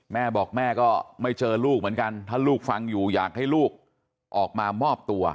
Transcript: แม่บอกแม่ก็ไม่เจอลูกเหมือนกันถ้าลูกฟังอยู่อยากให้ลูกออกมามอบตัว